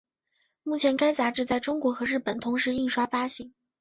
目前该杂志在中国和日本同时印刷发行。